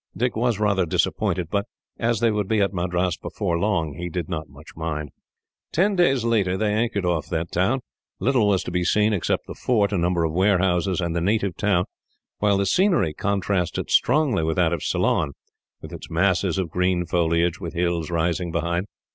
Dick was rather disappointed, but, as they would be at Madras before long, he did not much mind. Ten days later, they anchored off that town. Little was to be seen except the fort, a number of warehouses, and the native town, while the scenery contrasted strongly with that of Ceylon, with its masses of green foliage, with hills rising behind.